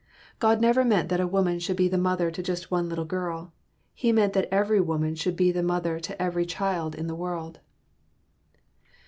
God never meant that a woman should be the mother to just one little girl. He meant that every woman should be mother to every child in the world.